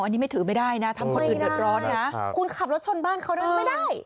อันนี้ไม่ถือไม่ได้นะทำคนอื่นเดือดร้อนนะคุณขับรถชนบ้านเขาได้ไม่ได้